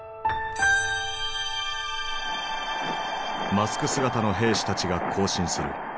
マスク姿の兵士たちが行進する。